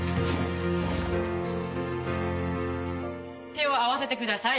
手を合わせてください。